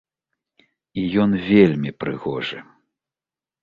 І ён вельмі прыгожы.